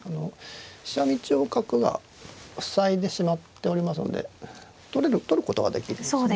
飛車道を角が塞いでしまっておりますので取ることができるんですね。